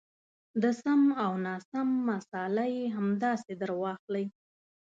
د سم او ناسم مساله یې همداسې درواخلئ.